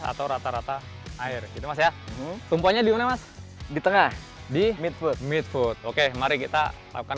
atau rata rata air itu mas ya tumpunya di mana mas di tengah di midfoot oke mari kita lakukan